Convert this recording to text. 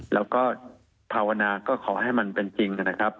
แล้วก็ภาวนาก็ขอให้มันเป็นจริง